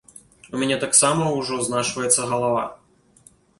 У мяне таксама ўжо знашваецца галава.